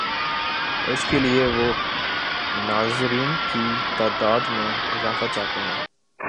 اس کے لیے وہ ناظرین کی تعداد میں اضافہ چاہتا ہے۔